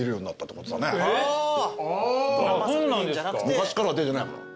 昔からは出てないもの。